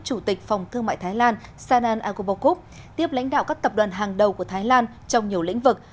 chủ tịch phòng thương mại thái lan sanan agobokov tiếp lãnh đạo các tập đoàn hàng đầu của thái lan trong nhiều lĩnh vực